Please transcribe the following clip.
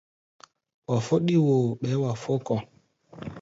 Wa fɔ́ɗí woo, ɓɛɛ́ wa fó kɔ̧.